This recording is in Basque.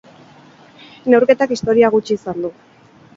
Neurketak historia gutxi izan du.